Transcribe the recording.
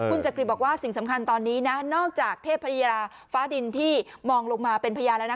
คุณจักริตบอกว่าสิ่งสำคัญตอนนี้นะนอกจากเทพยาราฟ้าดินที่มองลงมาเป็นพญาแล้วนะ